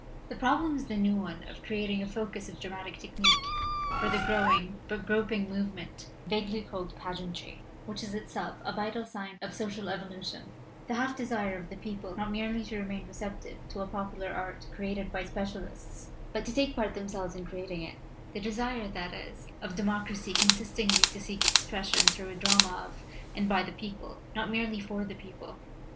That problem is the new one of creating a focus of dramatic technique for the growing but groping movement vaguely called 'pageantry,' which is itself a vital sign of social evolution the half desire of the people not merely to remain recep tive to a popular art created by specialists, but to take part themselves in creating it; the desire, that is, of democracy consistently to seek ex 3*4 MASQUE AND DEMOCRACY pression through a drama of and by the people, not merely for the people.